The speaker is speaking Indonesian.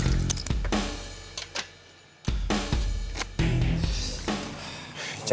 kita udah berhijab